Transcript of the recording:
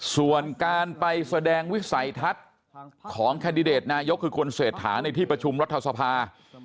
ส่วนการไปแสดงวิสัยทัศน์ของแคนดิเดตนายกคือคุณเศรษฐาในที่ประชุมรัฐสภา